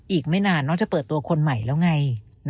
อีกไม่นานน้องจะเปิดตัวคนใหม่แล้วไง